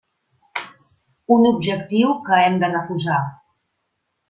Un objectiu que hem de refusar.